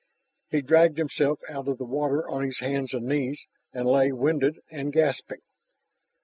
He dragged himself out of the water on his hands and knees and lay, winded and gasping.